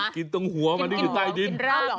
กินตรงหัวคืออยู่ใต้ดินกินราบเหรอ